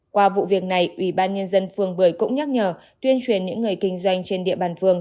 qua vụ việc này ubnd phường một mươi cũng nhắc nhở tuyên truyền những người kinh doanh trên địa bàn phường